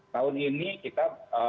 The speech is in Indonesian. tahun ini kita